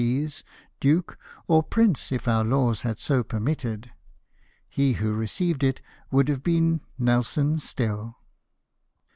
earl, marquis, duke, or prince if our laws had so permitted — he who received it would have been Nelson still.